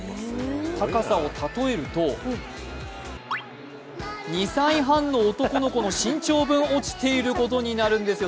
高さを例えると、２歳半の男の子の身長分落ちていることになるんですよ。